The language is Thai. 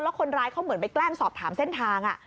คนร้ายเขาเหมือนไปแกล้งสอบถามเส้นทาง